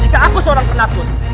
jika aku seorang penakut